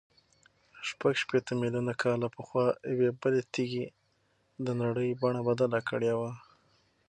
شپږ شپېته میلیونه کاله پخوا یوې بلې تېږې د نړۍ بڼه بدله کړې وه.